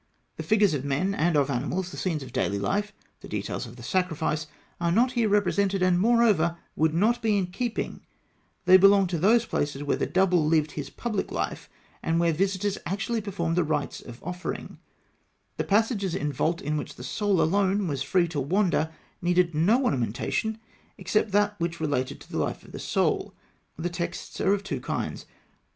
The figures of men and of animals, the scenes of daily life, the details of the sacrifice, are not here represented, and, moreover, would not be in keeping; they belong to those places where the Double lived his public life, and where visitors actually performed the rites of offering; the passages and the vault in which the soul alone was free to wander needed no ornamentation except that which related to the life of the soul. The texts are of two kinds.